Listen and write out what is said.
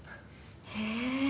へえ。